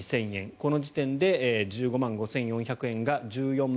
この時点で１５万５４００円が１４万３４００円。